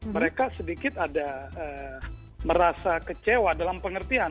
mereka sedikit ada merasa kecewa dalam pengertian